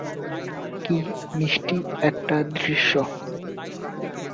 কী মিষ্টি একটা দৃশ্য!